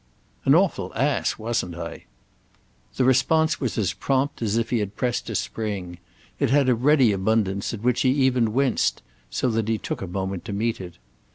"An awful ass, wasn't I?" The response was as prompt as if he had pressed a spring; it had a ready abundance at which he even winced; so that he took a moment to meet it.